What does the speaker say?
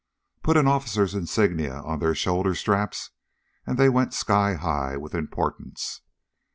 Put an officer's insignia on their shoulder straps and they went sky high with importance.